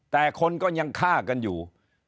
แต่คนก็ยังฆ่ากันอยู่